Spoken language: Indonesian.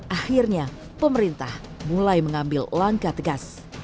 akhirnya pemerintah mulai mengambil langkah tegas